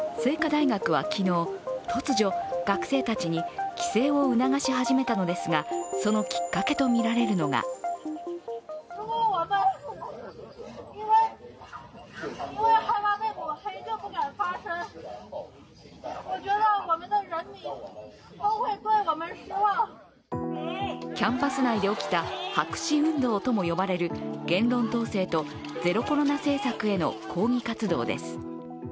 清華大学は昨日、突如学生たちに帰省を促し始めたのですがそのきっかけとみられるのがキャンパス内で起きた白紙運動とも呼ばれる言論統制とゼロコロナ政策への抗議活動です。